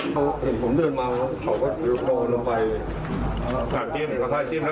แม่ก็หูตึงแค่เนี้ยนะ